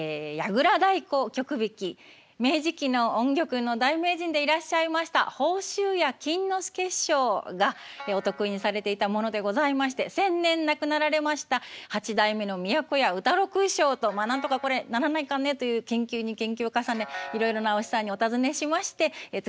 明治期の音曲の大名人でいらっしゃいました宝集家金之助師匠がお得意にされていたものでございまして先年亡くなられました八代目の都家歌六師匠と「まあなんとかこれならないかね」という研究に研究を重ねいろいろなお師匠さんにお尋ねしまして作ったものでございます。